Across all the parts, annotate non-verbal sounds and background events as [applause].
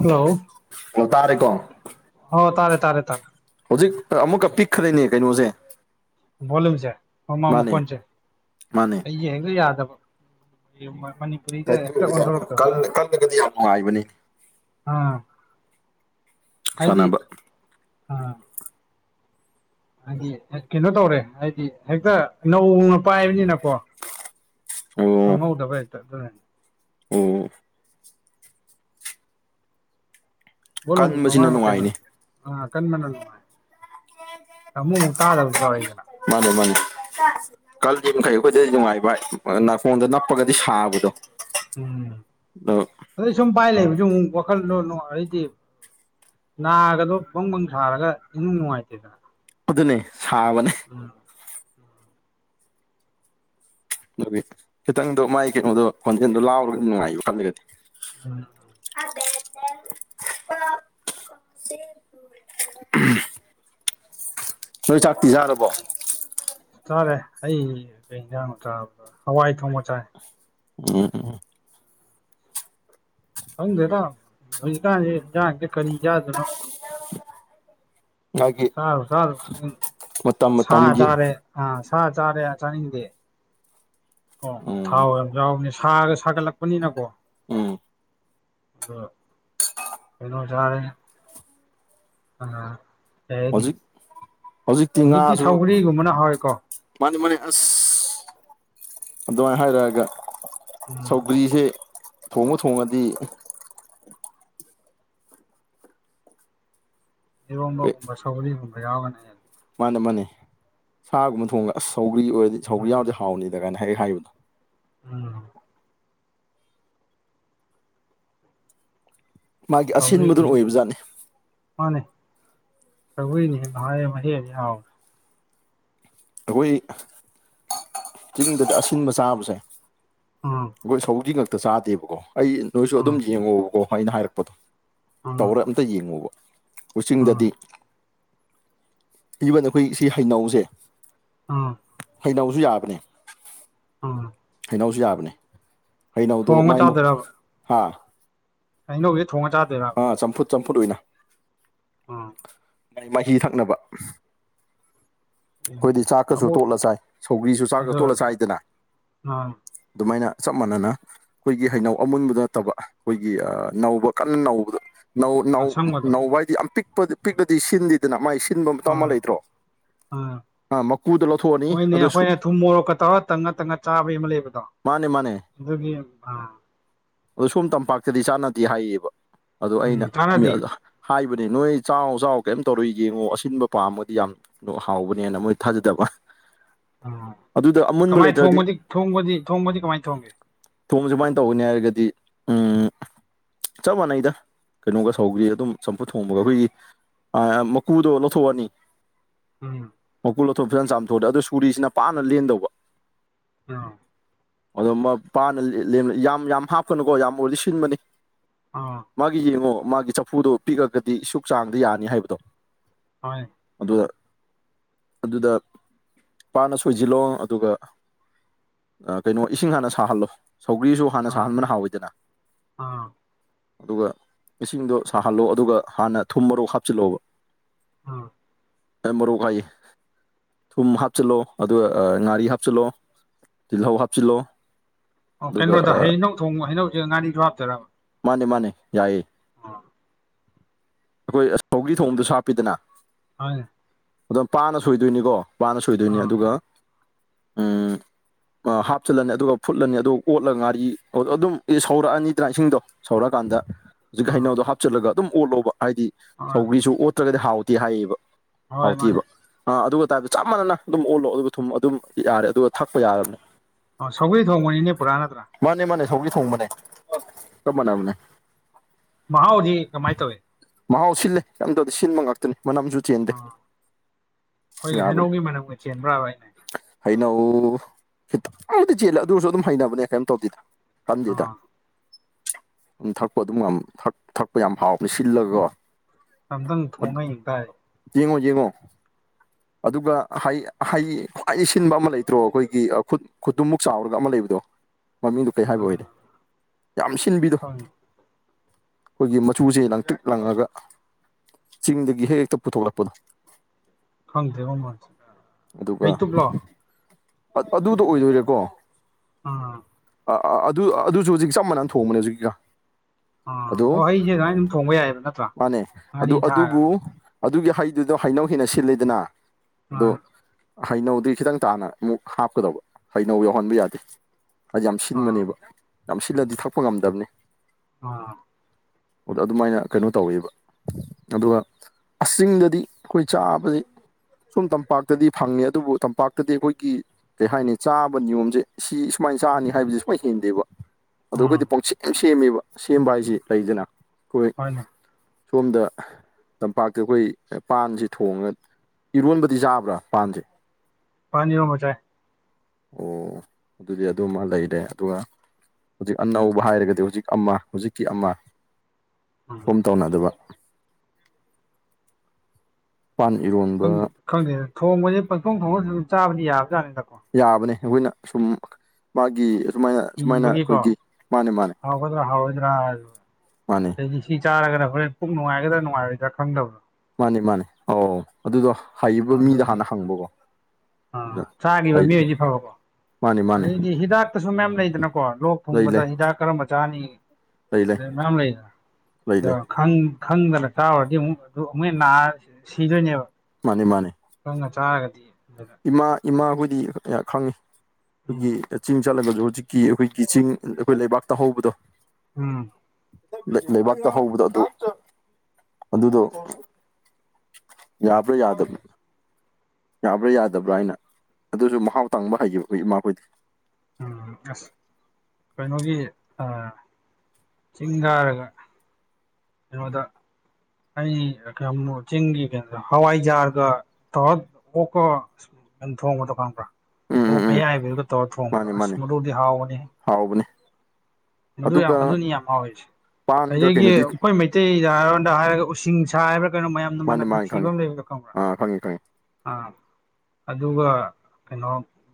Hello ꯑꯣ ꯇꯥꯔꯦꯀꯣ ꯑꯣ ꯇꯥꯔꯦ ꯇꯥꯔꯦ ꯇꯥꯔꯦ ꯍꯧꯖꯤꯛ ꯑꯃꯨꯛꯀ ꯄꯤꯛꯈ꯭ꯔꯦꯅꯦ ꯀꯩꯅꯣꯁꯦ ꯕꯣꯂꯨꯝꯁꯦ ꯑꯃꯥ ꯃꯥꯅꯦ ꯃꯈꯣꯟꯁꯦ ꯃꯥꯅꯦ ꯑꯩ ꯌꯦꯡꯉꯦ ꯍꯦꯛꯇ ꯌꯥꯗꯕ ꯃꯅꯤꯄꯨꯔꯤꯗ ꯀꯩꯒꯤ ꯍꯦꯛꯇ ꯑꯣꯏꯔꯖꯥꯠꯅꯣ ꯑꯣꯟꯊꯣꯔꯛꯇꯕꯩꯅꯤ ꯀꯜꯂ ꯀꯜꯂꯒꯗꯤ ꯌꯥꯝ ꯅꯨꯡꯉꯥꯏꯕꯅꯤ ꯑꯥ ꯍꯥꯏꯗꯤ ꯁꯥꯟꯅꯕ ꯑ ꯍꯥꯏꯗꯤ ꯀꯩꯅꯣ ꯇꯧꯔꯦ ꯍꯥꯏꯗꯤ ꯍꯦꯛꯇ ꯅꯧꯅ ꯄꯥꯏꯕꯅꯤꯅꯀꯣ ꯑꯣ ꯈꯪꯉꯧꯗꯕ ꯍꯦꯛꯇ ꯑꯗꯨꯅꯅꯤ ꯑꯣ [unintelligible] ꯂꯣ ꯀꯟꯕꯁꯤꯅ ꯐꯃꯥꯏ ꯋꯥ ꯅꯨꯡꯉꯥꯏꯅꯤ ꯀꯩꯅꯅ ꯑꯥ ꯀꯟꯕꯅ ꯅꯨꯡꯉꯥꯏ ꯊꯃꯨꯛꯃꯨꯛ ꯇꯥꯗꯕꯁꯨ ꯌꯥꯗꯅ ꯃꯥꯅꯤ ꯃꯥꯅꯤ ꯀꯜꯜꯂꯤ ꯃꯈꯩ ꯑꯩꯈꯣꯏꯗꯗꯤ ꯅꯨꯡꯉꯥꯏꯕ ꯅꯥꯐꯣꯟꯗ ꯅꯞꯄꯒꯗꯤ ꯁꯥꯕꯗꯣ ꯎꯝ ꯑ ꯑꯗꯩ ꯁꯨꯝ ꯄꯥꯏ ꯂꯩꯕꯁꯨ ꯑꯃꯨꯛ ꯋꯥꯈꯜꯗꯣ ꯅꯨꯡꯉꯥꯏꯔꯗꯤ ꯅꯥꯒꯗꯣ ꯕꯪ ꯁꯥꯔꯒ ꯏꯅꯨꯡ ꯅꯨꯡꯉꯥꯏꯇꯦꯗꯅ ꯑꯗꯨꯅꯦ ꯁꯥꯕꯅꯦ [unintelligible] ꯑꯗꯨꯒꯤ ꯈꯤꯇꯪꯗꯣ ꯃꯥꯒꯤ ꯀꯩꯅꯣꯗꯣ ꯈꯣꯟꯖꯦꯜꯗꯣ ꯂꯥꯎꯔꯒ ꯅꯨꯡꯉꯥꯏꯌꯦꯕ ꯀꯜꯂꯒꯗꯤ ꯎꯝ [unintelligible] [unintelligible] ꯅꯣꯏ ꯆꯥꯛꯇꯤ ꯆꯥꯔꯕꯣ ꯆꯥꯔꯦ ꯑꯩ ꯀꯩ ꯌꯦꯟꯖꯥꯡꯅꯣ ꯆꯥꯕꯗꯨ ꯍꯋꯥꯏ ꯊꯣꯡꯕ ꯆꯥꯏ [unintelligible] ꯈꯪꯗꯦꯗꯥ ꯍꯧꯖꯤꯛꯀꯥꯟꯁꯦ ꯌꯦꯟꯖꯥꯡꯁꯦ ꯀꯔꯤ ꯆꯥꯗꯣꯅꯣ ꯃꯥꯒꯤ ꯆꯥꯔꯨ ꯆꯥꯔꯨ ꯃꯇꯝ ꯁꯥ ꯃꯇꯝꯒꯤ ꯆꯥꯔꯦ ꯑꯥ ꯁꯥ ꯆꯥꯔꯦ ꯆꯥꯅꯤꯡꯗꯦ ꯑꯣ ꯎꯝ ꯊꯥꯎ ꯌꯥꯝ ꯌꯥꯎꯕꯅꯦ ꯁꯥꯒ ꯁꯥꯒꯠꯂꯛꯄꯅꯤꯅꯀꯣ ꯎꯝ ꯀꯩꯅꯣ ꯆꯔꯦ ꯑ ꯀꯩꯍꯥꯏꯅꯤ ꯍꯧꯖꯤꯛ ꯍꯧꯖꯤꯛꯇꯤ ꯁꯧꯒ꯭ꯔꯤꯒꯨꯝꯕꯅ ꯍꯧꯋꯦꯀꯣ ꯃꯥꯅꯤ ꯃꯥꯅꯤ ꯑꯁ ꯑꯗꯨꯃꯥꯏꯅ ꯍꯥꯏꯔꯛꯑꯒ ꯎꯝ ꯁꯧꯒ꯭ꯔꯤꯁꯦ ꯊꯣꯡꯉ ꯊꯣꯡꯉꯗꯤ ꯏꯔꯣꯡꯕꯒꯨꯝꯕ ꯁꯧꯒꯂꯤꯒꯨꯝꯕ ꯌꯥꯎꯒꯅꯤ ꯃꯅ ꯃꯥꯅꯦ ꯁꯥꯒꯨꯝꯕ ꯊꯣꯡꯉꯒ ꯑꯁ ꯁꯧꯒ꯭ꯔꯤ ꯑꯣꯏꯔꯗꯤ ꯁꯧꯒ꯭ꯔꯤ ꯎꯝ ꯌꯥꯎꯗꯤ ꯍꯥꯎꯅꯤꯗ ꯀꯥꯏꯅ ꯍꯥꯏꯔ ꯍꯥꯏꯕꯗꯣ ꯎꯝ ꯃꯥꯒꯤ ꯁꯧꯒ꯭ꯔꯤꯅ ꯑꯁꯤꯟꯕꯗꯨꯅ ꯍꯦꯟꯅ ꯑꯣꯏꯕꯖꯥꯠꯅꯤ ꯃꯥꯅꯦ ꯁꯒꯣꯏꯅꯤ ꯍꯦ ꯍꯥꯏ ꯃꯍꯤ ꯑꯃ ꯌꯥꯎ꯭ꯔꯦ ꯑꯩꯈꯣꯏ ꯆꯤꯡꯗꯗꯤ ꯑꯁꯤꯟꯕ ꯆꯥꯕꯁꯦ ꯑꯣ ꯑꯩꯈꯣꯏ ꯁꯧꯖꯤ ꯉꯛꯇ ꯆꯥꯗꯦꯕꯀꯣ ꯑꯩ ꯅꯣꯏꯁꯨ ꯑꯗꯨꯝ ꯎꯝ ꯌꯦꯡꯉꯣꯕꯀꯣ ꯑꯩꯅ ꯍꯥꯏꯔꯛꯄꯗꯣ ꯎꯝ ꯇꯧꯔ ꯑꯇ ꯌꯦꯡꯉꯨꯕ ꯎꯝ ꯎꯆꯆꯤꯡꯗꯗꯤ ꯏꯚꯟ ꯑꯩꯈꯣꯏ ꯁꯤ ꯍꯩꯅꯧꯁꯦ ꯎꯝ ꯍꯩꯅꯧꯁꯨ ꯌꯥꯕꯅꯦ ꯎꯝ ꯍꯩꯅꯧꯁꯨ ꯌꯥꯕꯅꯦ ꯍꯩꯅꯧꯗꯣ ꯊꯣꯡꯉ ꯃꯥꯏꯃꯨꯛ ꯍꯥ ꯍꯩꯅꯧꯖꯦ ꯊꯣꯡꯉ ꯆꯥꯗꯣꯏꯔꯣ ꯑꯥ ꯆꯝꯐꯨꯠ ꯆꯝꯐꯨꯠ ꯑꯣꯏꯅ ꯎꯝ ꯃꯍꯤ ꯊꯛꯅꯕ ꯑꯩꯈꯣꯏꯗꯤ ꯆꯥꯛꯀꯁꯨ ꯑꯃꯨꯛ ꯇꯣꯠꯂ ꯁꯥꯏ ꯁꯧꯒ꯭ꯔꯤꯁꯨ ꯆꯥꯛꯀ ꯑꯗꯨ ꯇꯣꯠꯂ ꯁꯥꯏꯗꯅ ꯑꯥ ꯑꯗꯨꯃꯥꯏꯅ ꯆꯞ ꯃꯥꯟꯅꯅ ꯑꯩꯈꯣꯏꯒꯤ ꯍꯩꯅꯧ ꯑꯃꯨꯟꯕ ꯅꯠꯇꯕ ꯑꯩꯈꯣꯏꯒꯤ ꯅꯧꯕ ꯀꯟꯅ ꯅꯧꯕꯗ ꯑꯁꯪꯕꯗꯣ ꯅꯧꯕ ꯍꯥꯏꯗꯤ ꯌꯥꯝ ꯄꯤꯛꯄ ꯄꯤꯛꯂꯗꯤ ꯁꯤꯟꯗꯦꯗꯅ ꯃꯥꯏ ꯁꯤꯟꯕ ꯃꯇꯝ ꯑꯃ ꯂꯩꯇ꯭ꯔꯣ ꯎꯝ ꯑꯥ ꯃꯀꯨꯗ ꯂꯧꯊꯣꯛꯑꯅꯤ ꯍꯣꯏꯅꯦ ꯑꯗꯨ ꯁꯨ ꯑꯩꯈꯣꯏꯅ ꯊꯨꯝ ꯃꯣꯔꯣꯛꯀ ꯇꯧꯔ ꯇꯪꯉ ꯇꯪꯉ ꯆꯥꯕꯩ ꯑꯃ ꯂꯩꯕꯗꯣ ꯃꯥꯅꯦ ꯃꯥꯅꯦ ꯑꯗꯨꯒꯤ ꯑ ꯑꯗꯣ ꯁꯣꯝ ꯇꯝꯄꯥꯛꯇꯗꯤ ꯆꯥꯟꯅꯗꯦ ꯍꯥꯏꯌꯦꯕ ꯑꯗ ꯎꯝ ꯑꯩꯅ ꯆꯥꯟꯅꯗꯦ ꯍꯥꯏꯕꯅꯤ ꯅꯣꯏ ꯆꯥꯎ ꯆꯥꯎ ꯀꯩꯝ ꯇꯧꯔꯏ ꯌꯦꯡꯉꯣ ꯑꯁꯤꯟꯕ ꯄꯥꯝꯃꯗꯤ ꯌꯥꯝ ꯍꯥꯎꯕ ꯅꯦꯅ ꯃꯣꯏ ꯊꯥꯖꯗꯕ ꯎꯝ ꯑꯗꯨꯗ ꯑꯃꯨꯟꯕ ꯀꯃꯥꯏ ꯂꯩꯇ꯭ꯔꯗꯤ ꯊ ꯊꯣꯡꯕꯗꯤ ꯀꯃꯥꯏꯅ ꯊꯣꯡꯒꯦ ꯊꯣꯡꯕ ꯁꯨꯃꯥꯏꯅ ꯇꯧꯒꯅꯤ ꯍꯥꯏꯔꯒꯗꯤ ꯎ ꯆꯞ ꯃꯥꯟꯅꯩꯗ ꯀꯩꯅꯣꯒ ꯁꯧꯈ꯭ꯔꯤ ꯑꯗꯨꯝ ꯆꯝꯐꯨꯠ ꯊꯣꯡꯕꯒ ꯑꯩꯈꯣꯏꯒꯤ ꯃꯀꯨꯗꯣ ꯂꯧꯊꯣꯛꯑꯅꯤ ꯎꯝ ꯃꯀꯨ ꯂꯧꯊꯣꯛꯑ ꯐꯖꯅ ꯆꯥꯝꯊꯣꯛꯑꯅꯤ ꯑꯗꯨꯣ ꯁꯨꯔꯤꯁꯤꯅ ꯄꯥꯅ ꯂꯦꯟꯗꯧꯕ ꯑ ꯄꯥꯅ ꯌꯥꯝ ꯌꯥꯝ ꯍꯥꯞꯀꯅꯨꯀꯣ ꯌꯥꯝ ꯑꯣꯏꯔꯗꯤ ꯁꯤꯟꯕꯅꯤ ꯑꯣ ꯃꯥꯒꯤ ꯌꯦꯡꯉꯣ ꯃꯥꯒꯤ ꯆꯐꯨꯗꯣ ꯄꯤꯛꯑꯒꯗꯤ ꯁꯨꯛ ꯆꯥꯡꯗ ꯌꯥꯅꯤ ꯍꯥꯏꯕꯗꯣ ꯍꯣꯏ ꯑꯗꯨ ꯑꯗꯨꯗ ꯄꯥꯅ ꯁꯣꯏꯖꯤꯜꯂꯣ ꯑꯗꯨꯒ ꯀꯩꯅꯣ ꯏꯁꯤꯡ ꯍꯥꯟꯅ ꯁꯥꯍꯜꯂꯣ ꯁꯧꯒ꯭ꯔꯤꯁꯨ ꯍꯥꯟꯅ ꯑꯥ ꯁꯥꯍꯟꯕꯅ ꯍꯥꯎꯋꯤꯗꯅ ꯑꯥ ꯑꯗꯨꯒ ꯏꯁꯤꯡꯗꯣ ꯁꯥꯍꯜꯂꯣ ꯑꯗꯨꯒ ꯍꯥꯟꯅ ꯊꯨꯝ ꯃꯔꯣꯛ ꯍꯥꯞꯆꯤꯜꯂꯛꯑꯣꯕ ꯎꯝ ꯃꯔꯣꯛ ꯀꯥꯏ ꯊꯨꯝ ꯍꯥꯞꯆꯤꯜꯂꯣ ꯑꯗꯨꯒ ꯉꯥꯔꯤ ꯍꯥꯞꯆꯤꯜꯂꯣ ꯇꯤꯜꯍꯧ ꯍꯥꯞꯆꯤꯜꯂꯣ ꯑꯣ ꯑꯗꯨꯒ ꯀꯩꯅꯣꯗ ꯍꯩꯅꯧ ꯊꯣꯡ ꯍꯩꯅꯧꯁꯦ ꯉꯥꯔꯤꯁꯨꯣ ꯍꯥꯞꯇꯔꯕ ꯃꯥꯅꯦ ꯃꯥꯅꯦ ꯌꯥꯏꯌꯦ ꯑꯥ ꯑꯩꯈꯣꯏ ꯑꯧꯔꯤ ꯊꯣꯡꯗꯁꯨ ꯍꯥꯞꯄꯤꯗꯅ [unintelligible] ꯑꯗꯨꯝ ꯄꯥꯅ ꯁꯣꯏꯗꯣꯏꯅꯤꯀꯣ ꯄꯥꯅ ꯁꯣꯏꯗꯣꯏꯅꯤ ꯑꯥ ꯑꯗꯨꯒ ꯎꯝ [inaudible] ꯍꯥꯞꯆꯤꯜꯂꯅꯤ ꯑꯗꯨꯒ ꯐꯨꯠꯂꯅꯤ ꯑꯗꯨ ꯑꯣꯠꯂ ꯉꯥꯔꯤ ꯑꯗꯨꯝ ꯁꯧꯔꯛꯑꯅꯤꯗꯅ ꯏꯁꯤꯡꯗꯣ ꯁꯧꯔꯀꯥꯟꯗ ꯍꯧꯖꯤꯛ ꯑꯥ ꯍꯩꯅꯧꯗꯣ ꯍꯥꯞꯆꯤꯜꯂꯒ ꯑꯗꯨꯝ ꯑꯣꯠꯂꯣꯕ ꯍꯥꯏꯗꯤ ꯍꯣꯏ ꯁꯧꯒ꯭ꯔꯤꯁꯨ ꯑꯣꯠꯇ꯭ꯔꯒꯗꯤ ꯍꯥꯎꯇꯦ ꯍꯥꯏꯌꯦꯕ ꯍꯣꯏ ꯃꯥꯅꯦ ꯍꯥꯎꯇꯦꯕ ꯑ ꯑꯗꯨꯒ ꯇꯥꯏꯞꯇ ꯆꯞ ꯃꯥꯟꯅꯅ ꯑꯗꯨꯝ ꯑꯣꯜꯂꯣ ꯑꯗꯨꯒ ꯊꯨꯝ ꯑꯗꯨꯝ ꯌꯥꯔꯦ ꯑꯗꯨꯒ ꯊꯛꯄ ꯌꯥꯔꯕꯅꯤ ꯑꯣ ꯁꯧꯒ꯭ꯔꯤ ꯊꯣꯡꯕꯅꯤꯅꯦ ꯄꯨꯔꯥ ꯅꯠꯇ꯭ꯔꯥ ꯃꯥꯅꯦ ꯃꯥꯅꯦ ꯁꯧꯒꯤ ꯊꯣꯡꯕꯅꯦ ꯆꯞ ꯃꯥꯟꯅꯕꯅꯦ ꯃꯍꯥꯎ ꯍꯧꯖꯤ ꯀꯃꯥꯏ ꯇꯧꯋꯦ ꯃꯍꯥꯎ ꯁꯤꯜꯂꯦ ꯀꯝꯗꯧꯗ ꯁꯤꯟꯕ ꯉꯥꯛꯇꯅꯤ ꯃꯅꯝꯁꯨ ꯆꯦꯟꯗꯦ ꯑꯝ ꯑꯩꯈꯣꯏꯒꯤ ꯌꯥꯕꯅꯦ ꯍꯩꯅꯧꯒꯤ ꯃꯅꯝꯒ ꯆꯦꯟꯕ꯭ꯔꯥꯕ ꯑꯅꯦ ꯍꯩꯅꯧ ꯈꯤꯇꯪ ꯑꯃꯗꯤꯗꯤ ꯆꯦꯜꯂꯦ ꯑꯗꯨ ꯑꯣꯏꯔꯁꯨ ꯑꯗꯨꯝ ꯍꯩꯅꯕꯅꯦ ꯀꯔꯤꯝ ꯇꯧꯗꯦꯗ ꯈꯟꯗꯦꯗ ꯑꯥ ꯑꯗꯨꯝ ꯊꯛꯄ ꯑꯗꯨꯝ ꯊꯛꯄ ꯌꯥꯝ ꯍꯥꯎꯕꯅꯦ ꯁꯤꯜꯂꯒ ꯑꯝꯇꯪ ꯊꯣꯛꯣꯡꯅꯩꯌꯦꯚꯥꯏ ꯌꯦꯡꯉꯣ ꯌꯦꯡꯉꯣ ꯑꯗꯨꯒ ꯈ꯭ꯋꯥꯏ ꯁꯤꯟꯕ ꯑꯃ ꯂꯩꯇ꯭ꯔꯣ ꯑꯩꯈꯣꯏꯒꯤ ꯈꯨꯠ ꯈꯨꯠꯇꯨꯃꯨꯛ ꯆꯥꯎꯔꯒ ꯑꯃ ꯂꯩꯕꯗꯣ ꯃꯃꯤꯡꯗꯨꯣ ꯀꯔꯤ ꯍꯥꯏꯕ ꯑꯣꯏꯔꯦ ꯌꯥꯝ ꯁꯤꯟꯕꯤꯗꯣ ꯈꯪ ꯑꯩꯈꯣꯏꯒꯤ ꯃꯆꯨꯁꯦ ꯂꯪꯇ꯭ꯤꯔꯤꯛ ꯂꯪꯉꯑꯒ ꯆꯤꯡꯗꯒꯤ ꯍꯦꯛ ꯍꯦꯛꯇ ꯄꯨꯊꯣꯛꯂꯛꯄꯗꯣ ꯈꯪꯗꯦ ꯋꯥꯃꯁ ꯑꯗꯨꯒ ꯑꯗꯨꯗ ꯑꯣꯏꯗꯣꯏꯔꯦꯀꯣ [inaudible] ꯑ ꯑꯥ ꯑꯗꯨ ꯑꯗꯨꯁꯨ ꯍꯧꯖꯤꯛ ꯆꯞ ꯃꯥꯟꯅꯅ ꯊꯣꯡꯕꯅꯦ ꯍꯧꯖꯤꯛꯒ ꯑꯥ ꯑꯣ ꯍꯩꯁꯦ ꯑꯗꯨꯃꯥꯏꯅ ꯑꯗꯨꯝ ꯊꯣꯡꯕ ꯌꯥꯏꯑꯕ ꯅꯠꯇ꯭ꯔꯥ ꯃꯥꯅꯦ ꯉꯥꯔꯤ ꯑꯗꯨ ꯊꯥꯛꯑꯒ ꯑꯗꯨꯕꯨ ꯑꯗꯨꯒꯤ ꯍꯩꯗꯨꯗꯣ ꯍꯩꯅꯧ ꯍꯦꯟꯅ ꯁꯤꯜꯂꯤꯗꯅ ꯑꯗꯣ ꯑꯥ ꯍꯩꯅꯧꯗꯤ ꯈꯤꯇꯪ ꯇꯥꯅ ꯑꯃꯨꯛ ꯍꯥꯞꯀꯗꯧꯕ ꯍꯩꯅꯧ ꯌꯧꯍꯟꯕ ꯌꯥꯗꯦ ꯑꯩ ꯌꯥꯝ ꯑꯥ ꯁꯤꯟꯕꯅꯦꯕ ꯌꯥꯝ ꯁꯤꯜꯂꯗꯤ ꯊꯛꯄ ꯉꯝꯗꯕꯅꯤ ꯑꯥ ꯑꯣꯗ ꯑꯗꯨꯃꯥꯏꯅ ꯀꯩꯅꯣ ꯇꯧꯋꯦꯕ ꯑꯗꯨꯒ ꯑꯗꯗꯤ ꯑꯩꯈꯣꯏ ꯆꯥꯕꯗꯤ ꯁꯣꯝ ꯇꯝꯄꯥꯛ ꯇꯗꯤ ꯐꯪꯉꯦ ꯑꯗꯨꯕꯨ ꯇꯝꯄꯥꯛꯇꯗꯤ ꯑꯩꯈꯣꯏꯒꯤ ꯀꯩ ꯍꯥꯏꯅꯤ ꯆꯥꯕ ꯅꯤꯌꯣꯝꯁꯦ ꯁꯤ ꯁꯨꯃꯥꯏꯅ ꯆꯥꯅꯤ ꯍꯥꯏꯕꯁꯦ ꯁꯨꯃꯥꯏꯅ ꯍꯦꯟꯗꯦꯕ ꯑꯗꯨ ꯎꯝ ꯑꯩꯈꯣꯏꯗꯤ ꯄꯪꯆꯦ ꯁꯦꯝꯃꯦꯕ ꯁꯦꯝꯕ ꯍꯥꯏꯁꯤ ꯂꯩꯗꯅ ꯑꯩꯈꯣꯏ ꯍꯣꯏꯅꯦ ꯁꯣꯝꯗ ꯇꯝꯄꯥꯛꯇ ꯑꯩꯈꯣꯏ ꯄꯥꯟꯁꯤꯦ ꯊꯣꯡꯉꯒ ꯏꯔꯣꯟꯕꯗꯤ ꯆꯥꯕ꯭ꯔꯥ [unintelligible] ꯄꯥꯟ ꯏꯔꯣꯟꯕ ꯃꯆꯥꯥꯏ ꯑꯣ ꯑꯗꯨꯗꯤ ꯑꯗꯨꯃ ꯂꯩꯔꯦ ꯑꯗꯨꯒ ꯍꯧꯖꯤꯛ ꯑꯅꯧꯕ ꯍꯥꯏꯔꯒꯗꯤ ꯍꯧꯖꯤꯛ ꯑꯃ ꯍꯧꯖꯤꯛꯀꯤ ꯑꯃ ꯎꯝ ꯁꯣꯝ ꯇꯧꯅꯗꯕ ꯄꯥꯟ ꯏꯔꯣꯟꯕ ꯈꯪꯗꯦꯗ ꯊꯣꯡꯕꯁꯦ ꯄꯪꯊꯣꯡ ꯈꯣꯡꯕꯁꯨ ꯑꯗꯨꯝ ꯆꯥꯕꯗꯤ ꯌꯥꯕꯖꯥꯠꯅꯤꯗꯀꯣ ꯌꯥꯕꯅꯦ ꯑꯩꯈꯣꯏꯅ ꯁꯨꯝ ꯃꯥꯒꯤ ꯑꯁꯨꯃꯥꯏꯅ ꯁꯨꯃꯥꯏꯅ ꯏꯕꯒꯤꯀꯣ ꯑꯩꯈꯣꯏꯒꯤ ꯃꯥꯅꯦ ꯃꯥꯅꯦ ꯍꯥꯎꯒꯗ꯭ꯔꯥ ꯃꯥꯅꯦ ꯍꯥꯎꯔꯣꯏꯗ꯭ꯔꯥꯗꯤ ꯁꯤ ꯆꯥꯔꯒꯗ ꯍꯣꯔꯦꯟ ꯄꯨꯡ ꯅꯨꯡꯉꯥꯏꯒꯗꯥ ꯅꯨꯡꯉꯥꯏꯔꯣꯏꯗꯥ ꯈꯪꯗꯕ꯭ꯔꯣ ꯃꯥꯅꯦ ꯃꯥꯅꯦ ꯑꯧ ꯑꯗꯨꯗꯣ ꯍꯥꯏꯕ ꯃꯤꯗ ꯍꯥꯟꯅ ꯍꯪꯕꯀꯣ ꯑ ꯑꯗꯨꯗ ꯆꯥꯈꯤꯕ ꯍꯩ ꯃꯤꯁꯤ ꯐꯕꯀꯣ ꯃꯥꯅꯤ ꯃꯥꯅꯤ ꯑꯗꯩꯗꯤ ꯍꯤꯗꯥꯛꯇꯁꯨ ꯃꯌꯥꯝ ꯂꯩꯗꯅꯀꯣ ꯂꯣꯛ ꯂꯩ ꯂꯩ ꯊꯨꯡꯕꯗ ꯍꯤꯗꯥꯛ ꯀꯔꯝꯕ ꯆꯥꯅꯤ ꯂꯩ ꯂꯩ ꯑꯗꯨ ꯃꯝ ꯂꯩ ꯂꯩꯗ ꯂꯩ ꯈꯪꯗꯅ ꯆꯥꯎꯔꯗꯤ ꯑꯃꯨꯛ ꯑꯗꯨ ꯑꯃꯨꯛ ꯅꯥꯔ ꯁꯤꯗꯣꯏꯅꯦꯕ ꯃꯥꯅꯤ ꯃꯥꯅꯤ ꯈꯪꯅ ꯆꯥꯔꯒꯗꯤ ꯑꯗꯨ ꯏꯃꯥ ꯏꯃꯥ ꯕꯨꯗꯤ ꯈꯪꯉꯤ ꯎꯝ ꯑꯩꯈꯣꯏꯒꯤ ꯆꯤꯡ ꯆꯠꯂꯒꯖꯨ ꯍꯧꯖꯤꯛ ꯀꯤ ꯑꯩꯈꯣꯏꯒꯤ ꯆꯤꯡ ꯑꯩꯈꯣꯏ ꯂꯩꯕꯥꯛꯇ ꯍꯧꯕꯗꯣ ꯎꯝ ꯂꯩꯕꯥꯛꯇ ꯍꯧꯕꯗꯣ ꯑꯗꯨ ꯑꯗꯨꯗꯣ ꯌꯥꯕ꯭ꯔ ꯌꯥꯗ ꯌꯥꯕ꯭ꯔꯥ ꯌꯥꯗꯕ꯭ꯔꯥ ꯍꯥꯏꯅ ꯑꯗꯨꯁꯨ ꯃꯍꯥꯎ ꯇꯪꯕ ꯍꯩꯈꯤꯕ ꯑꯩꯈꯣꯏ ꯏꯃꯥꯈꯣꯏꯗꯤ꯫ ꯎꯝ ꯑꯁ ꯀꯩꯅꯣꯒꯤ ꯑꯩ ꯆꯤꯡ ꯀꯥꯔꯒ [unintelligible] ꯑꯩ ꯈꯪꯕꯨ ꯆꯤꯡꯒꯤ ꯀꯩꯅꯣ ꯍꯋꯥꯏꯖꯥꯔꯒ ꯇꯧꯔ ꯑꯣꯛꯀ ꯁꯟ ꯊꯣꯡꯕ ꯗꯨ ꯈꯪꯕ꯭ꯔ ꯎꯝ ꯑꯣꯛ ꯎꯝ ꯎꯝ ꯑꯌꯥꯏꯕꯒꯥ ꯇꯧꯔꯥ ꯃꯥꯅꯦ ꯃꯥꯅꯦ ꯊꯣꯡꯕꯗꯣꯃꯗꯨꯗꯤ ꯍꯥꯎꯕꯅꯤ꯫ ꯍꯥꯎꯕꯅꯦ ꯃꯗꯨ ꯌꯥꯝ ꯑꯗꯨꯒ ꯑꯗꯨꯅꯤ ꯌꯥꯝ ꯍꯥꯎꯔꯤꯁꯦ ꯄꯥꯟꯒ ꯑꯗꯒꯤ ꯀꯩꯅꯣꯗꯤ ꯑꯩꯈꯣꯏ ꯃꯩꯇꯩ ꯇꯩꯗ ꯍꯥꯏꯔꯣꯟꯗ ꯍꯥꯏꯔꯒ ꯎꯁꯤꯡꯁ ꯍꯥꯏꯕ꯭ꯔꯥ ꯀꯩꯅꯣ ꯃꯌꯥꯝꯅ ꯃꯥꯅꯦ ꯃꯅꯝ ꯃꯥꯅꯦ ꯅꯨꯡꯁꯤꯕ ꯈꯪꯉꯦ ꯑꯃ ꯂꯩꯕꯗꯣ ꯈꯪꯕ꯭ꯔꯥ? ꯑꯥ ꯈꯪꯉꯦ ꯈꯪꯉꯦ ꯑꯥ ꯑꯗꯨꯒ ꯀꯩꯅꯣ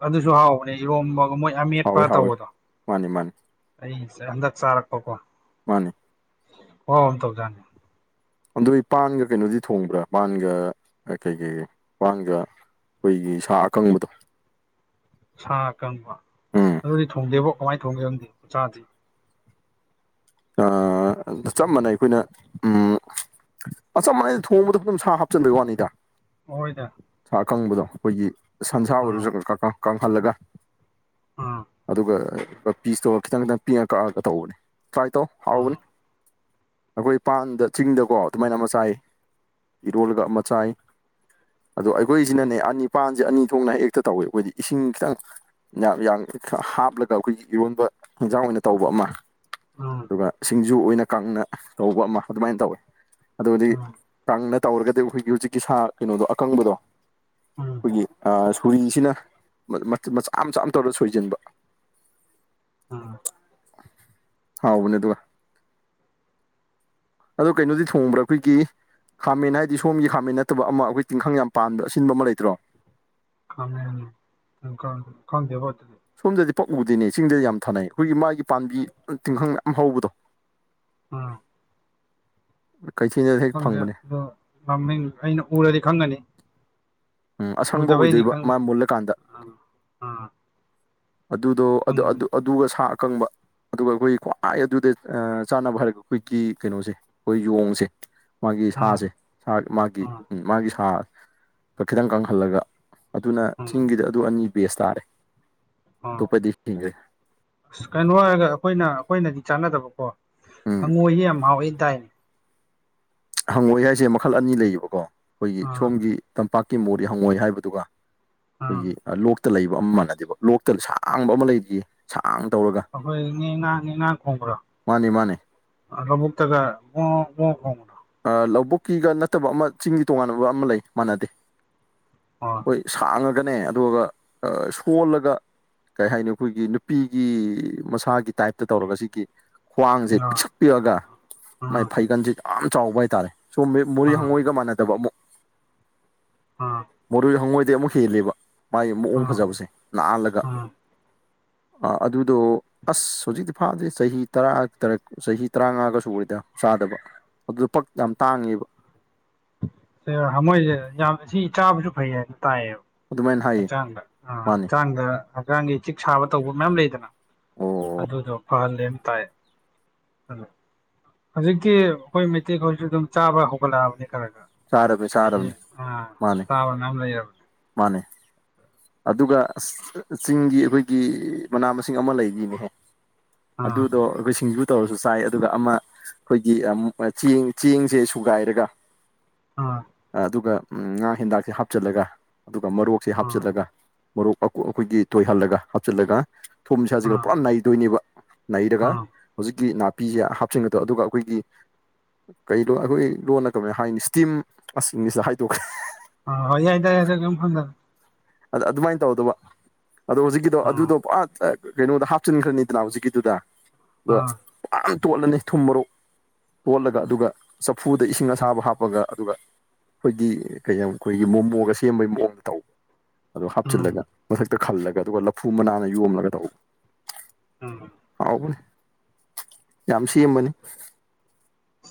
ꯑꯗꯨꯁꯨ ꯍꯥꯎꯕꯅꯦ ꯏꯔꯣꯝꯕꯒ ꯃꯣꯏ ꯍꯥꯎꯋꯦ ꯑꯃꯦꯠꯄꯥ ꯍꯥꯎꯋꯦ ꯇꯧꯕꯗꯣ ꯃꯥꯅꯤ ꯃꯥꯅꯤ ꯑꯩ ꯍꯟꯗꯛ ꯆꯥꯔꯛꯄꯀꯣ ꯃꯥꯅꯦ ꯈꯨꯍꯥꯎ ꯑꯝ ꯇꯧꯖꯥꯠꯅꯤ꯫ ꯑꯗꯨ ꯄꯥꯟꯒ ꯀꯩꯅꯣꯗꯤ ꯊꯣꯡꯕ꯭ꯔꯥ ꯄꯥꯟꯒ ꯀꯩ ꯀꯩ ꯄꯥꯟꯒ ꯑꯩꯈꯣꯏꯒꯤ ꯁꯥ ꯑꯀꯪꯕꯗꯣ ꯁꯥ ꯑꯀꯪꯕ ꯎꯝ ꯑꯗꯨꯗꯤ ꯊꯣꯡꯗꯦꯕꯣ ꯀꯃꯥꯏꯅ ꯊꯣꯡꯒꯦ ꯈꯪꯗꯦ ꯆꯥꯗ꯭ꯔꯤ꯫ ꯑꯥ ꯆꯞ ꯃꯥꯟꯅꯩ ꯑꯩꯈꯣꯏꯅ ꯎꯝ ꯑ ꯆꯞ ꯃꯥꯟꯅꯩꯗ ꯊꯣꯡꯕꯗ ꯑꯗꯨꯝ ꯁꯥ ꯍꯥꯞꯆꯤꯟꯕꯒꯤ ꯋꯥꯅꯤꯗ꯫ ꯍꯣꯏꯗ ꯑꯀꯪꯕꯗꯣ ꯑꯩꯈꯣꯏꯒꯤ ꯁꯟꯁꯥ ꯑꯥ ꯑꯣꯏꯔꯁꯨ ꯀꯪꯍꯜꯂꯒ ꯑꯥ ꯑꯗꯨꯒ ꯄꯤꯁꯇꯣ ꯈꯤꯇꯪ- ꯈꯤꯇꯪ ꯄꯤꯉ ꯀꯛꯑꯒ ꯇꯧꯕꯅꯦ꯫ ꯇ꯭ꯔꯥꯏ ꯇꯧ ꯑꯥ ꯍꯥꯎꯕꯅꯤ ꯫ ꯑꯈꯣꯏ ꯄꯥꯟꯗ ꯆꯤꯡꯗꯀꯣ ꯑꯗꯨꯃꯥꯏꯅ ꯑꯃ ꯆꯥꯏ ꯏꯔꯣꯜꯂꯒ ꯑꯃ ꯆꯥꯏ꯫ ꯑꯗꯣ ꯑꯩꯈꯣꯏꯁꯤꯅꯅꯦ ꯑꯅꯤꯄꯥꯟꯁꯦ ꯑꯅꯤ ꯊꯣꯛꯅ ꯍꯦꯛꯇ ꯇꯧꯏ ꯑꯩꯈꯣꯏꯗꯤ ꯏꯁꯤꯡ ꯈꯤꯇꯪ ꯌꯥꯝ ꯌꯥꯝ ꯍꯥꯞꯂꯒ ꯑꯩꯈꯣꯏꯒꯤ ꯏꯔꯣꯟꯕ ꯍꯤꯟꯖꯥꯡ ꯑꯣꯏꯅ ꯇꯧꯕ ꯑꯃ ꯑꯥ ꯑꯗꯨꯒ ꯁꯤꯡꯖꯨ ꯑꯣꯏꯅ ꯀꯪꯅ ꯇꯧꯕ ꯑꯃ ꯑꯗꯨꯃꯥꯏꯅ ꯇꯧꯋꯦ ꯑꯗꯨꯗꯤ ꯑꯥ ꯀꯪꯅ ꯇꯧꯔꯒꯗꯤ ꯑꯩꯈꯣꯏꯒꯤ ꯍꯧꯖꯤꯛꯀꯤ ꯁꯥ ꯀꯩꯅꯣꯗꯣ ꯑꯀꯪꯕꯗꯣ ꯎꯝ꯫ ꯑꯩꯈꯣꯏꯒꯤ ꯑ ꯁꯨꯔꯤꯁꯤꯅ ꯃꯆꯥ ꯃꯆꯥ ꯇꯧꯔꯒ ꯁꯣꯏꯖꯤꯟꯕ ꯎꯝ ꯍꯥꯎ ꯕꯅꯦ ꯑꯗꯨꯒ ꯑꯗꯣ ꯀꯩꯅꯣꯗꯤ ꯊꯣꯡꯕ꯭ꯔꯥ ꯑꯩꯈꯣꯏꯒꯤ ꯈꯥꯃꯦꯟ ꯍꯥꯏꯗꯤ ꯁꯣꯝꯒꯤ ꯈꯥꯃꯦꯟ ꯅꯠꯇꯕ ꯑꯃ ꯑꯩꯈꯣꯏ ꯇꯤꯡꯈꯪ ꯌꯥꯝ ꯄꯥꯟꯕ ꯑꯁꯤꯟꯕ ꯑꯃ ꯂꯩꯇ꯭ꯔꯣ ꯈꯥꯃꯦꯟ ꯇꯤꯡꯈꯪ ꯈꯪꯗꯦꯕꯣ ꯑꯗꯨꯗꯤ꯫ ꯁꯣꯝꯗꯗꯤ ꯄꯛꯎꯗꯤꯅꯦ ꯏ ꯆꯤꯡꯗꯗꯤ ꯌꯥꯝ ꯊꯥꯅꯩ ꯑꯩꯈꯣꯏꯒꯤ ꯃꯥꯒꯤ ꯄꯥꯝꯕꯤ ꯇꯤꯡꯈꯪꯌꯥꯝ ꯍꯧꯕꯗꯣ ꯑꯥ ꯀꯩꯁꯨ [unintelligible] ꯈꯪꯗ꯭ꯔꯦ ꯑꯗꯣ ꯃꯃꯤꯡ ꯑꯩꯅ ꯎꯔꯗꯤ ꯈꯪꯒꯅꯤ꯫ ꯎꯝ ꯑꯁꯪꯕ ꯎꯗꯕꯩꯅꯤ ꯑꯣꯏꯗꯣꯏꯕ ꯈꯪꯗꯦ꯫ ꯃꯥ ꯃꯨꯜꯂꯀꯥꯟꯗ ꯑꯗꯨꯗꯣ ꯑꯗꯨ ꯈꯪꯉꯦ ꯑꯗꯨ ꯑꯗꯨꯒ ꯁꯥ ꯑꯀꯪꯕ ꯑꯗꯨꯒ ꯑꯩꯈꯣꯏ ꯈ꯭ꯋꯥꯏ ꯑꯗꯨꯗ ꯆꯥꯅꯕ ꯍꯥꯏꯔꯒ ꯑꯩꯈꯣꯏꯒꯤ ꯀꯩꯅꯣꯁꯦ ꯑꯩꯈꯣꯏ ꯌꯣꯡꯖꯦ ꯃꯥꯒꯤ ꯑꯥ ꯁꯥꯁꯦ ꯁꯥ ꯃꯥꯒꯤ ꯑꯥ ꯃꯥꯒꯤ ꯁꯥꯗ ꯈꯤꯇꯪ ꯀꯪꯍꯜꯂꯒ ꯑꯗꯨꯅ ꯑꯥ ꯆꯤꯡꯒꯤꯗ ꯑꯗꯨ ꯑꯅꯤ ꯕꯦꯁ ꯇꯥꯔꯦ꯫ ꯑꯥ ꯇꯣꯞꯄꯗꯤ ꯀꯔꯤ ꯂꯩ꯫ ꯑꯁ ꯀꯩꯅꯣ ꯍꯥꯏꯔꯒ ꯑꯩꯈꯣꯏꯅ ꯑꯩꯈꯣꯏꯅꯗꯤ ꯆꯥꯟꯅꯗꯕꯀꯣ ꯎꯝ ꯍꯪꯉꯣꯏꯖꯤ ꯌꯥꯝ ꯍꯥꯎꯋꯦ ꯇꯥꯏꯅꯦ꯫ ꯍꯪꯉꯣꯏ ꯍꯥꯏꯁꯦ ꯃꯈꯜ ꯑꯅꯤ ꯂꯩꯌꯦꯕꯀꯣ ꯑꯩꯈꯣꯏꯒꯤ ꯑꯥ ꯁꯣꯝꯒꯤ ꯇꯝꯄꯥꯛꯀꯤ ꯃꯣꯔꯤ ꯍꯪꯉꯣꯏ ꯍꯥꯏꯕꯗꯨꯒ ꯑꯥ ꯑꯩꯈꯣꯏꯒꯤ ꯂꯣꯛꯇ ꯂꯩꯕ ꯑꯃ ꯃꯥꯟꯅꯗꯦꯕ ꯂꯣꯛꯇ ꯁꯥꯡꯕ ꯑꯃ ꯂꯩꯔꯤꯌꯦ ꯁꯥꯡ ꯇꯧꯔꯒ ꯑꯈꯣꯏ ꯅꯦ ꯉꯥ ꯅꯦ ꯉꯥ ꯈꯣꯡꯕ꯭ꯔꯣ? ꯃꯥꯅꯦ ꯃꯥꯅꯦ ꯑ ꯂꯕꯨꯛꯇꯒ ꯒꯣ ꯒꯣ ꯈꯣꯡꯕꯗꯣ꯫ ꯂꯧꯕꯨꯛꯀꯤꯒ ꯅꯠꯇꯕ ꯑꯃ ꯆꯤꯡꯒꯤ ꯇꯣꯉꯥꯟꯕ ꯑꯃ ꯂꯩ ꯃꯥꯟꯅꯗꯦ꯫ ꯑꯣ ꯑꯩꯈꯣꯏ ꯁꯥꯡꯉꯒꯅꯦ ꯑꯗꯨꯒ ꯁꯣꯜꯂꯒ ꯀꯩ ꯍꯥꯏꯅꯤ ꯑꯩꯈꯣꯏꯒꯤ ꯅꯨꯄꯤꯒꯤ ꯃꯁꯥꯒꯤ ꯇꯥꯏꯞꯇ ꯇꯧꯔꯒ ꯁꯤꯒꯤ ꯈ꯭ꯋꯥꯡꯁꯦ ꯑꯥ ꯑꯥ ꯄꯤꯛꯁꯛ ꯄꯤꯛꯑꯒ ꯃꯥꯏ ꯐꯩꯒꯟꯁꯦ ꯌꯥꯝ ꯆꯥꯎꯕ ꯍꯥꯏꯇꯥꯔꯦ꯫ ꯁꯣꯝ ꯃꯣꯔꯦ ꯑꯥ ꯍꯪꯉꯣꯏꯒ ꯃꯥꯟꯅꯗꯕ ꯑꯃꯨꯛ ꯑꯥ ꯃꯣꯔꯦ ꯍꯉꯣꯏꯗꯩ ꯑꯃꯨꯛ ꯍꯦꯜꯂꯦꯕ ꯃꯥꯒꯤ ꯃꯑꯣꯡ ꯑꯥ ꯑꯥ ꯐꯖꯕꯁꯦ ꯅꯥꯍꯜꯂꯒ꯫ ꯥ ꯑꯗꯨꯗꯣ ꯑꯁ ꯍꯧꯖꯤꯛꯇꯤ ꯐꯥꯗ꯭ꯦ ꯆꯍꯤ ꯇꯔꯥ ꯇꯔꯦꯠ ꯆꯍꯤ ꯇꯔꯥꯃꯉꯥꯒꯁꯨ ꯑꯣꯏꯗ ꯆꯥꯗꯕ ꯑꯗꯨꯗ ꯄꯥꯛ ꯌꯥꯝ ꯇꯥꯡꯉꯦꯕ꯫ ꯍꯉꯣꯏꯁꯦ ꯌꯥꯝ ꯁꯤ ꯆꯥꯕꯁꯨ ꯐꯩ ꯍꯥꯏꯅ ꯇꯥꯏꯌꯦꯕ꯫ ꯑꯗꯨꯃꯥꯏꯅ ꯍꯥꯏꯌꯦ ꯍꯛꯆꯥꯡꯗ ꯑ ꯃꯥꯅꯦ ꯍꯛꯆꯥꯡꯗ ꯍꯛꯆꯥꯡꯒꯤ ꯆꯤꯛ ꯁꯥꯕ ꯇꯧꯕ ꯃꯌꯥꯝ ꯂꯩꯗꯅ ꯑꯣ ꯑꯣ꯫ ꯑꯗꯨꯗꯣ ꯐꯍꯜꯂꯦꯅ ꯇꯥꯏ꯫ ꯍꯧꯖꯤꯛꯇꯤ ꯑꯩꯈꯣꯏ ꯃꯩꯇꯩ ꯈꯣꯏꯖꯨ ꯑꯗꯨꯝ ꯆꯥꯕ ꯍꯧꯒꯠꯂꯛꯑꯕꯅꯤ ꯈꯔ ꯈꯔ ꯆꯥꯔꯕꯅꯤ ꯐꯩꯅꯦ ꯆꯥꯔꯕꯅꯤ ꯑ ꯃꯥꯅꯦ ꯆꯥꯕ ꯃꯌꯥꯝ ꯂꯩꯔ ꯃꯥꯅꯦ꯫ ꯑꯗꯨꯒ ꯆꯤꯡꯒꯤ ꯑꯩꯈꯣꯏꯒꯤ ꯃꯅꯥ ꯃꯁꯤꯡ ꯑꯃ ꯂꯩꯔꯤꯅꯦꯍꯦ ꯑꯥ ꯑꯗꯨꯗꯣ ꯑꯩꯈꯣꯏ ꯁꯤꯡꯖꯨ ꯇꯧꯔꯁꯨ ꯆꯥꯏ ꯑꯗꯨꯒ ꯑꯃ ꯑꯩꯈꯣꯏꯒꯤ ꯑ ꯆꯦꯡ ꯆꯦꯡꯁꯦ ꯁꯨꯒꯥꯏꯔꯒ ꯑ ꯑꯗꯨꯒ ꯉꯥ ꯍꯤꯟꯗꯥꯛꯁꯦ ꯍꯥꯞꯆꯤꯜꯂꯒ ꯑꯗꯨꯒ ꯃꯣꯔꯣꯛꯁꯦ ꯑꯥ ꯍꯥꯞꯆꯤꯜꯂꯒ ꯃꯔꯣꯛ ꯃꯀꯨ ꯑꯩꯈꯣꯏꯒꯤ ꯇꯣꯏꯍꯜꯂꯒ ꯍꯥꯞꯆꯤꯜꯂꯒ ꯊꯨꯝꯖꯦ ꯍꯥꯞꯆꯤꯜꯂꯒ ꯑꯥ ꯄꯨꯔꯥ ꯅꯩꯗꯣꯏꯅꯦꯕ꯫ ꯅꯩꯔꯒ ꯑꯥ ꯍꯧꯖꯤꯛꯀꯤ ꯅꯥꯄꯤꯖꯦ ꯍꯥꯞꯆꯤꯟꯒꯗ ꯑꯗꯨꯒ ꯑꯩꯈꯣꯏꯒꯤ ꯀꯩꯗꯣ ꯑꯩꯈꯣꯏ ꯂꯣꯟꯅ ꯀꯃꯥꯏꯅ ꯍꯥꯏꯅꯤ ꯏꯁꯇꯤꯝ ꯑꯁꯤ ꯏꯪꯂꯤꯁꯇ ꯍꯥꯏꯗꯣꯛꯈ꯭ꯔꯦ [unintelligible] ꯑꯣ ꯍ ꯌꯥꯗꯗ ꯀꯝ ꯈꯪꯗꯦ ꯑꯗ ꯑꯗꯨꯃꯥꯏꯅ ꯇꯧꯗꯕ ꯑꯗꯣ ꯍꯧꯖꯤꯛꯀꯤꯗꯣ ꯑꯥ ꯑꯗꯨꯗꯣ ꯄꯨꯥ ꯀꯩꯅꯣꯗ ꯍꯥꯞꯆꯤꯟꯈ꯭ꯔꯅꯤꯗꯅ ꯍꯧꯖꯤꯛꯀꯤꯗꯨꯗ ꯑꯗꯣ ꯑꯥ ꯌꯥꯝ ꯇꯣꯠꯂꯅꯤ ꯊꯨꯝ ꯃꯔꯣꯛ ꯑꯣꯣꯜꯂꯒ ꯑꯗꯨꯒ ꯆꯐꯨꯗ ꯏꯁꯤꯡ ꯑꯁꯥꯕ ꯍꯥꯞꯄꯒ ꯑꯗꯨꯒ ꯑꯩꯈꯣꯏꯒꯤ ꯀꯩ ꯑꯩꯈꯣꯏꯒꯤ ꯃꯣꯃꯣꯒ ꯁꯦꯝꯕꯒꯤ ꯃꯣꯝ ꯇꯧ ꯑꯗꯨ ꯎꯝ ꯍꯥꯞꯆꯤꯜꯂꯒ ꯃꯊꯛꯇ ꯈꯜꯂꯒ ꯑꯗꯨꯒ ꯂꯐꯨ ꯃꯅꯥꯟꯅ ꯌꯣꯝꯂꯒ ꯇꯧꯕ ꯎꯝ ꯍꯥꯎꯕꯅꯦ ꯌꯥꯝ ꯁꯦꯝꯕꯅꯤ꯫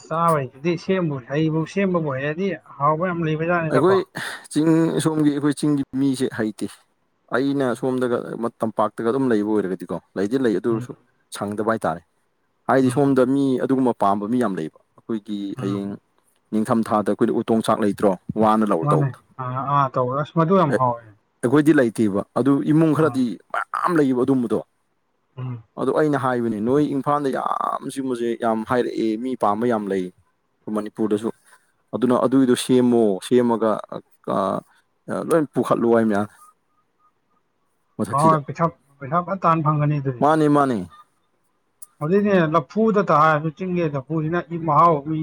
ꯆꯥꯕꯩꯁꯤꯗꯤ ꯁꯦꯝꯕꯨ ꯍꯩꯕꯨ ꯁꯦꯝꯕꯕꯨ ꯍꯩꯔꯗꯤ ꯑꯍꯥꯎꯕ ꯌꯥꯝ ꯂꯩꯕꯖꯥꯠꯅꯤꯗꯀꯣ꯫ ꯑꯩꯈꯣꯏ ꯆꯤꯡ ꯁꯣꯝꯒꯤ ꯑꯩꯈꯣꯏ ꯆꯤꯡꯒꯤ ꯃꯤꯁꯦ ꯍꯩꯇꯦ꯫ ꯑꯩꯅ ꯁꯣꯝꯗꯒ ꯇꯝꯄꯥꯛꯇꯒ ꯑꯗꯨꯝ ꯂꯩꯕ ꯑꯣꯏꯔꯒꯗꯤꯀꯣ ꯂꯩꯗꯤ ꯂꯩ ꯎꯝ ꯑꯗꯨꯁꯨ ꯁꯪꯗꯕ ꯍꯥꯏꯇꯥꯔꯦ ꯍꯥꯏꯗꯤ ꯎꯝ ꯁꯣꯝꯗ ꯃꯤ ꯑꯗꯨꯒꯨꯝꯕ ꯄꯥꯝꯕ ꯃꯤ ꯌꯥꯝ ꯂꯩꯕ꯫ ꯑꯩꯈꯣꯏꯒꯤ ꯎꯝ ꯍꯌꯦꯡ ꯅꯤꯡꯊꯝꯊꯥꯗ ꯑꯩꯈꯣꯏꯗ ꯎꯇꯣꯡ ꯆꯥꯛ ꯂꯩꯇ꯭ꯔꯣ꯫ ꯋꯥꯅ ꯂꯧꯔ ꯃꯥꯅꯦ ꯇꯧꯕꯗꯣ ꯑꯥ ꯑꯥ ꯇꯧꯋ ꯑꯁ ꯃꯗꯨ ꯌꯥꯝ ꯍꯥꯎꯋꯦ ꯑꯩꯈꯣꯏꯗꯤ ꯂꯩꯇꯦꯕ ꯑꯗꯨ ꯏꯃꯨꯡ ꯑꯥ ꯈꯔꯗꯤ ꯃꯌꯥꯝ ꯂꯩꯌꯦꯕ ꯑꯗꯨꯝꯕꯗꯣ ꯎꯝ ꯑꯗꯣ ꯑꯩꯅ ꯍꯥꯏꯕꯅꯦ ꯅꯣꯏ ꯏꯝꯐꯥꯜꯗ ꯌꯥꯝ ꯆꯤꯒꯨꯝꯕꯁꯦ ꯌꯥꯝ ꯍꯥꯏꯔꯛꯑꯦ ꯃꯤ ꯄꯥꯝꯕ ꯌꯥꯝ ꯂꯩ ꯃꯅꯤꯄꯨꯔꯗꯁꯨ ꯑꯗꯨꯅ ꯑꯗꯨꯏꯗꯣ ꯁꯦꯝꯃꯣ ꯁꯦꯝꯃꯒ ꯂꯣꯏ ꯄꯨꯈꯠꯂꯨ ꯍꯥꯏ ꯃꯌꯥꯝ ꯍ ꯃꯊꯛꯁꯤꯗ ꯍꯣꯏ ꯄꯩꯁꯥ ꯄꯩꯁꯥ ꯐꯖ ꯇꯥꯟ ꯐꯪꯒꯅꯤ ꯑꯗꯨꯗꯤ ꯃꯥꯅꯤ ꯃꯥꯅꯤ ꯑꯗꯨꯅꯦ ꯂꯐꯨꯗ ꯇ ꯍꯥꯏꯔꯁꯨ ꯆꯤꯡꯒꯦ ꯂꯐꯨꯁꯤꯅ ꯏ ꯃꯍꯥꯎ ꯃꯤ